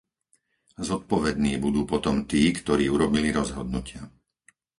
Zodpovední budú potom tí, ktorí urobili rozhodnutia.